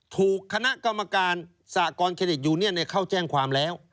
ถูกคณะกรรมการสากรเครดิตยูเนียนเข้าแจ้งความแล้ว